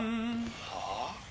「はあ？」。